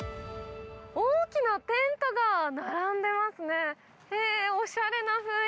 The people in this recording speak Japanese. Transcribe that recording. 大きなテントが並んでますね。